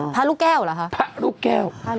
พระลูกแก้วล่ะคะ